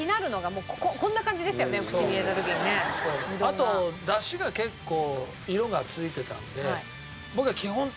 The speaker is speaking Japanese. あと出汁が結構色が付いてたので。